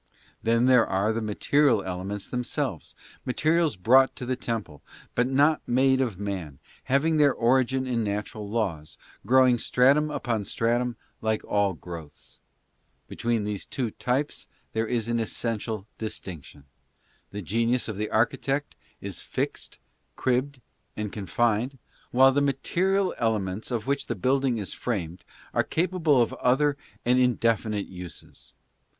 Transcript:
Then there are the material elements themselves, materials brought to the temple, but not made of man, having their origin in natural laws, grow ing stratum upon stratum, like all growths. Between these two types there is an essential distinction. The genius of the archi tect is fixed, cribbed and confined, while the material elements of which the building is framed are capable of other and indefi nite uses.